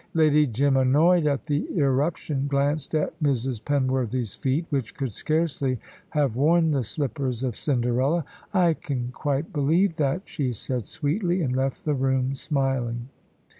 Lady Jim, annoyed at the irruption, glanced at Mrs. Penworthy's feet, which could scarcely have worn the slippers of Cinderella. "I can quite believe that," she said sweetly, and left the room smiling.